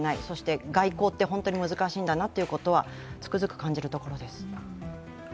そして外交って本当に難しいんだなとつくづく感じるところです。